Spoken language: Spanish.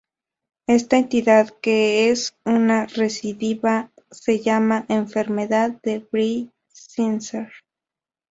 Esta entidad, que es una recidiva, se llama Enfermedad de Brill-Zinsser.